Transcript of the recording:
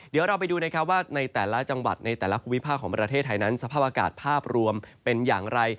เดี๋ยวเราไปดูนะครับว่าในแต่ละจังหวัดในแต่ละภูมิภาคของประเทศไทยนั้นสภาพอากาศภาพรวมเป็นอย่างไร